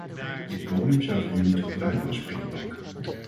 Dit podium zouden we nu moeten gebruiken als springplank.